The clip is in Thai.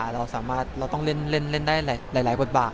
เราต้องเล่นได้หลายกดบาท